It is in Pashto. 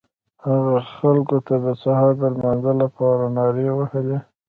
هغه خلکو ته د سهار د لمانځه لپاره نارې وهلې.